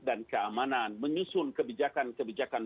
dan keamanan menyusun kebijakan kebijakan